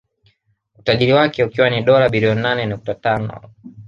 Utajiri wake ukiwa ni dola bilioni nane nukta tano